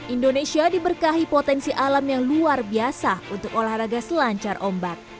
indonesia diberkahi potensi alam yang luar biasa untuk olahraga selancar ombak